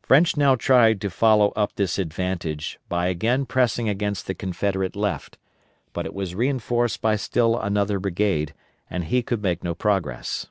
French now tried to follow up this advantage by again pressing against the Confederate left, but it was reinforced by still another brigade, and he could make no progress.